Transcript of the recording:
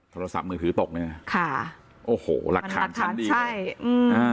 โทรศัพท์มือถือตกเนี่ยค่ะโอ้โหหลักฐานชั้นดีใช่อืมอ่า